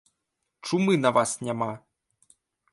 Чумы на вас няма!